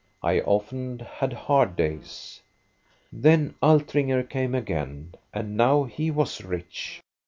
I often had hard days. " Then Altringer came again, and now he was rich.